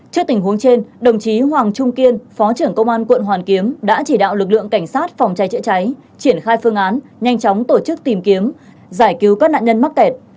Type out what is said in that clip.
trước tình huống trên đồng chí hoàng trung kiên phó trưởng công an quận hoàn kiếm đã chỉ đạo lực lượng cảnh sát phòng cháy chữa cháy triển khai phương án nhanh chóng tổ chức tìm kiếm giải cứu các nạn nhân mắc kẹt